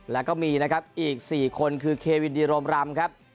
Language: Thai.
แล้วก็มีนะครับอีก๔คนคือเควินดีโรมรำครับ